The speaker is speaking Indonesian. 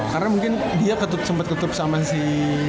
karena mungkin dia sempet ketup sama si